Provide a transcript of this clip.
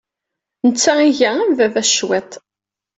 Netta iga am baba-s cwiṭ.